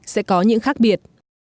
sẽ có những khác biệt